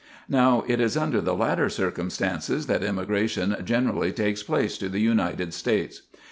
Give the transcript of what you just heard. Now, it is under the latter circumstances that emigration generally takes place to the United States.